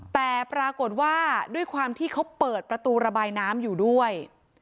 แต่ปรากฏว่าด้วยความที่เขาเปิดประตูระบายน้ำอยู่ด้วย